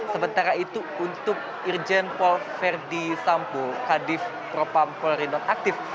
sementara itu untuk irjen verdi sampo kadif propan polri nonaktif